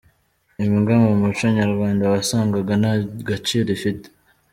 Imbwa mu muco nyarwanda wasangaga nta gaciro ifite.